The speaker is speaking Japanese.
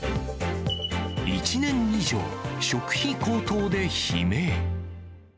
１年以上、食費高騰で悲鳴。